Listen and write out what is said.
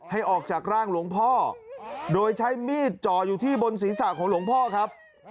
ให้ออกจากร่างหลวงพ่อโดยใช้มีดจ่ออยู่ที่บนศีรษะของหลวงพ่อครับ